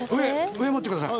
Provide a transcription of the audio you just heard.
上持ってください。